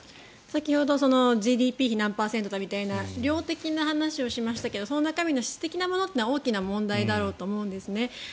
先ほど、ＧＤＰ比何パーセントとか量的な話をしましたがその中身の質的なものは大きな問題だろうと思うんですね。